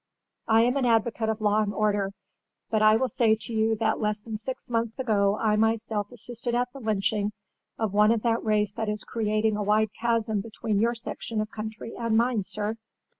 I am an advocate of law and order, but I will say to you that less than six months ago I myself assisted at the lynching of one of that race that is creating a wide chasm between your section of country and mine, sir."